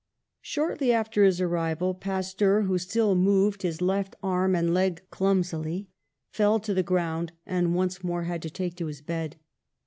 Shortly after his arrival Pasteur, who still 98 PASTEUR moved his left arm and leg clumsily, fell to the ground, and once more had to take to his bed.